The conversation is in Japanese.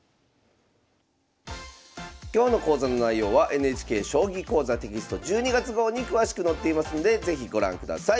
今日の講座の内容はＮＨＫ「将棋講座」テキスト１２月号に詳しく載っていますので是非ご覧ください。